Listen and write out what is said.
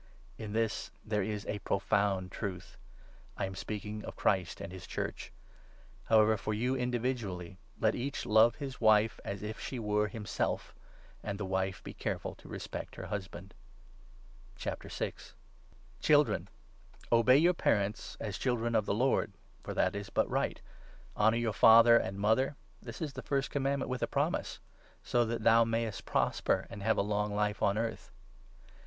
In this there is a profound truth — I am speaking of Christ 32 and his Church. However, for you individually, let each love 33 his wife as if she were himself; and the wife be careful to respect her husband. Children, obey your parents, as children of the Lord ; for i Q that is but right. ' Honour thy father and mother '— this is the 2 first Commandment with a promise — 'so that thou mayest 3 prosper and have a long life on earth.'